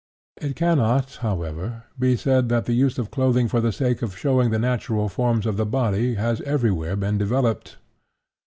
It cannot, however, be said that the use of clothing for the sake of showing the natural forms of the body has everywhere been developed.